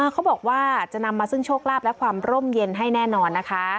เขาบอกว่าจะนำมาซึ่งโชคลาภและความร่มเย็นให้แน่นอนนะคะ